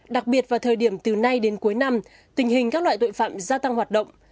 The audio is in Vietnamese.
đặc biệt vào thời điểm từ nay đến cuối năm tình hình các loại tội phạm gia tăng hoạt động